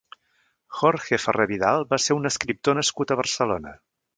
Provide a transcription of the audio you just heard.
Jorge Ferrer Vidal va ser un escriptor nascut a Barcelona.